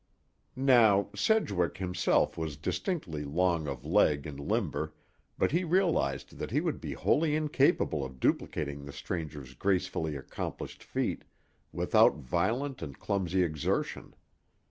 Now, Sedgwick himself was distinctly long of leg and limber, but he realized that he would be wholly incapable of duplicating the stranger's gracefully accomplished feat without violent and clumsy exertion.